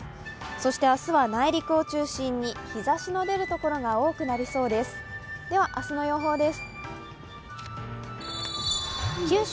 そして明日は内陸を中心に日ざしの出るところが多くなりそうです。